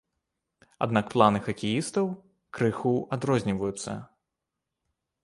Аднак планы хакеістаў крыху адрозніваюцца.